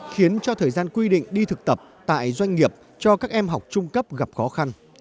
khiến cho thời gian quy định đi thực tập tại doanh nghiệp cho các em học trung cấp gặp khó khăn